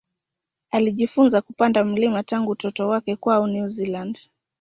Alijifunza kupanda milima tangu utoto wake kwao New Zealand.